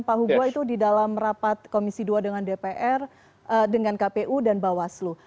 pak hugo itu di dalam rapat komisi dua dengan dpr dengan kpu dan bawaslu